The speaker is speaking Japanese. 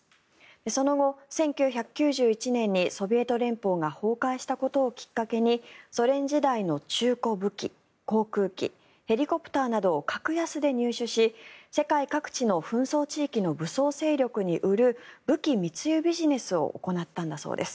その後、１９９１年にソビエト連邦が崩壊したことをきっかけにソ連時代の中古武器、航空機ヘリコプターなどを格安で入手し世界各地の紛争地域の武装勢力に売る武器密輸ビジネスを行ったんだそうです。